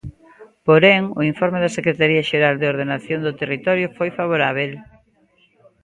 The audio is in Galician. Porén, o informe da secretaría xeral de Ordenación do territorio foi favorábel.